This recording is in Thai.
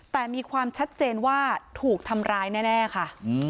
แต่มีความชัดเจนว่าถูกทำร้ายแน่ค่ะ